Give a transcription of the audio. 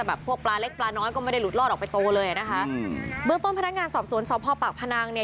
เบอร์ต้นพนักงานสอบสวนสภปากภนางนะ